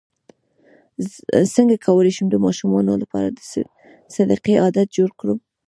څنګه کولی شم د ماشومانو لپاره د صدقې عادت جوړ کړم